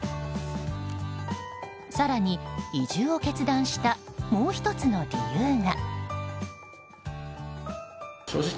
更に、移住を決断したもう１つの理由が。